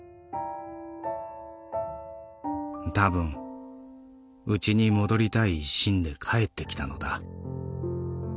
たぶんうちに戻りたい一心で帰ってきたのだ。